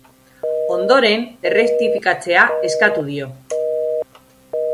Ondoren, errektifikatzea eskatu dio.